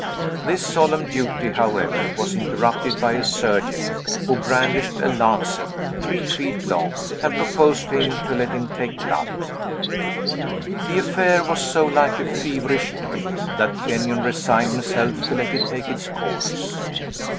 This solemn duty, however, was interrupted by a surgeon, who brandished a lancet, three feet long, and proposed to him to let him take blood. The affair was so like a feverish dream, that Kenyon resigned himself to let it take its course.